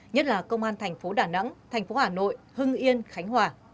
nhất là công an tp đà nẵng tp hà nội hưng yên khánh hòa